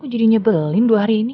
kok jadi nyebelin dua hari ini